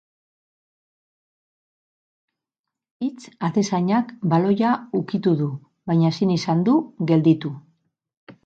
Hitz atezainak baloia ukitu du, baina ezin izan du gelditu.